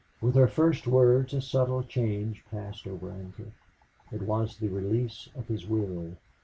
With her first words a subtle change passed over Ancliffe. It was the release of his will.